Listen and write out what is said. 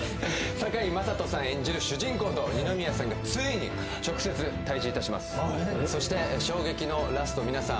堺雅人さん演じる主人公と二宮さんがついに直接対峙いたしますそして衝撃のラスト皆さん